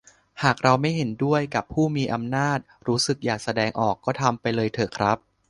หากเราไม่เห็นด้วยกับผู้มีอำนาจ รู้สึกอยากแสดงออกก็ทำไปเลยเถอะครับ